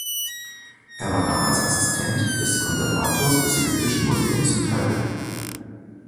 Er war damals Assistent des Konservators des Ägyptischen Museums in Kairo.